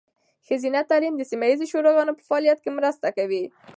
ښځینه تعلیم د سیمه ایزې شوراګانو په فعالتیا کې مرسته کوي.